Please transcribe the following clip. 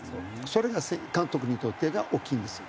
それが監督にとって大きいんです。